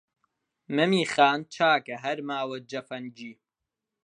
«مەمی خان» چاکە هەر ماوە جەفەنگی